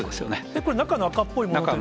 これ、中の赤っぽいものは。